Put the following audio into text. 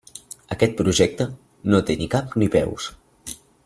Aquest projecte no té ni cap ni peus.